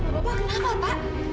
bapak kenapa pak